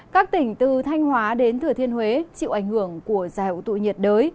các tỉnh từ thanh hóa đến thừa thiên huế chịu ảnh hưởng của dẻo tụ nhiệt đới